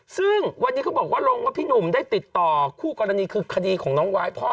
ซึ่งวันนี้เขาบอกว่าลงว่าพี่หนุ่มได้ติดต่อคู่กรณีคือคดีของน้องวายพ่อ